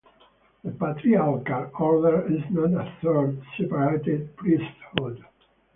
The patriarchal order is not a third, separate priesthood.